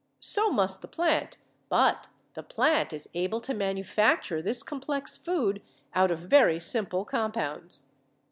So must the plant ; but the plant is able to manu facture this complex food out of very simple compounds.